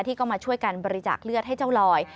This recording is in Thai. ที่ก็มาช่วยกันบริจาคเลือดให้เจ้าลอย